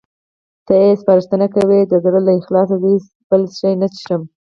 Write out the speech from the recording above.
ته یې سپارښتنه کوې؟ د زړه له اخلاصه، زه هېڅ بل شی نه څښم.